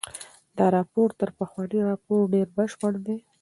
دا راپور تر پخواني راپور ډېر بشپړ دی.